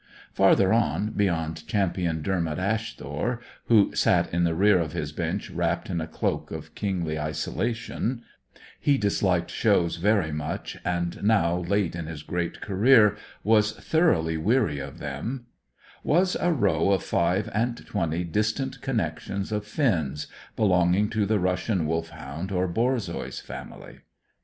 Farther on, beyond Champion Dermot Asthore, who sat in the rear of his bench wrapped in a cloak of kingly isolation he disliked shows very much, and now, late in his great career, was thoroughly weary of them was a row of five and twenty distant connections of Finn's, belonging to the Russian Wolfhound or Borzois family.